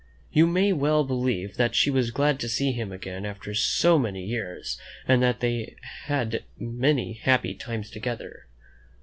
You may well believe that she was glad to see him again after so many years, and that they had many happy times together.